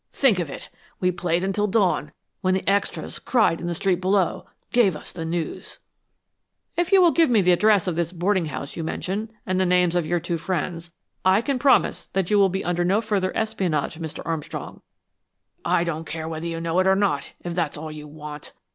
Think of it! We played until dawn, when the extras, cried in the street below, gave us the news!" "If you will give me the address of this boarding house you mention, and the names of your two friends, I can promise that you will be under no further espionage, Mr. Armstrong." "I don't care whether you know it or not, if that's all you want!"